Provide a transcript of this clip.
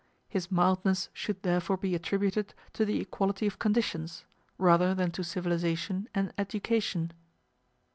His mildness should therefore be attributed to the equality of conditions, rather than to civilization and education.